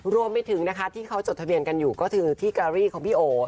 รวมไปถึงนะคะที่เขาจดทะเบียนกันอยู่ก็คือที่การีของพี่โอ